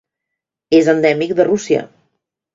És endèmic de Rússia.